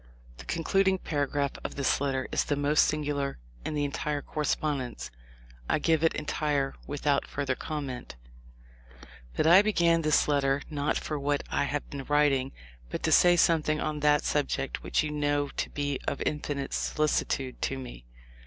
The concluding paragraph of this letter is the most singular in the entire correspondence. I g ive it entire without further comment: "But I began this letter not for what I have been writing, but to say something on that subject which you know to be of such infinite solicitude to me.